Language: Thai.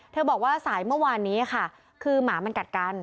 บอกว่าสายเมื่อวานนี้ค่ะคือหมามันกัดกัน